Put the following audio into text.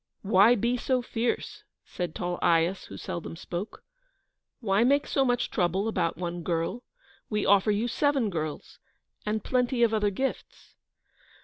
"Why be so fierce?" said tall Aias, who seldom spoke. "Why make so much trouble about one girl? We offer you seven girls, and plenty of other gifts."